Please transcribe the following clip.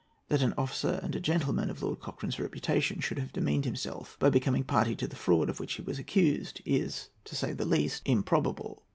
That an officer and a gentleman of Lord Cochrane's reputation should have demeaned himself by becoming a party to the fraud of which he was accused, is, to say the least, improbable.